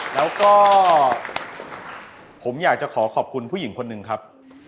แล้วก็ผมอยากจะขอขอบคุณผู้หญิงคนหนึ่งครับ